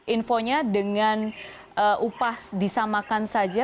infonya dengan upas disamakan saja